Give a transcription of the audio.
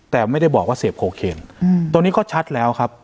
แต่ไม่ได้บอกว่าเสพโคเคนตัวนี้ก็ชัดแล้วครับ